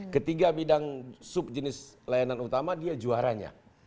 ketiga bidang sub jenis layanan utama dia juaranya